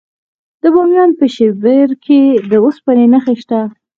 د بامیان په شیبر کې د وسپنې نښې شته.